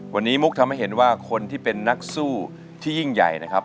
วันนี้มุกทำให้เห็นว่าคนที่เป็นนักสู้ที่ยิ่งใหญ่นะครับ